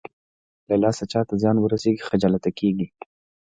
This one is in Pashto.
له لاسه چاته زيان ورسېږي خجالته کېږي.